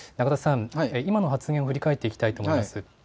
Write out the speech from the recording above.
今の発言を振り返っていきたいと思います。